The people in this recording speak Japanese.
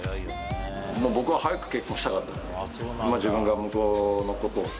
僕は早く結婚したかったんです。